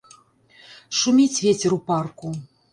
Шуміць вецер у парку.